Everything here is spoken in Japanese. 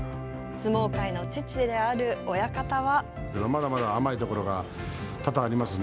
相撲界の父である親方は。